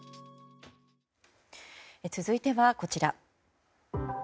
続いては、こちら。